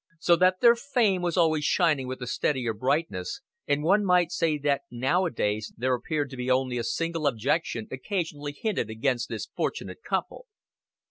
So that their fame was always shining with a steadier brightness, and one might say that nowadays there appeared to be only a single objection occasionally hinted against this fortunate couple.